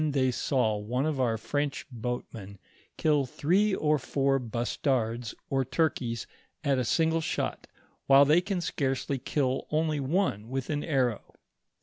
1 i tlioy saw one of our Fronch boatmen kill three or four bus tards or turkeys at a single shot, while they can scarcely kill only one with an arrow.